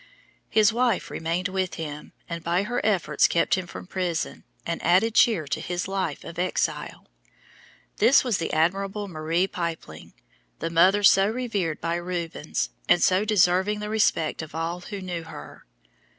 His wife remained with him, and by her efforts kept him from prison, and added cheer to his life of exile. This was the admirable Marie Pypeling, the mother so revered by Rubens, and so deserving the respect of all who know of her.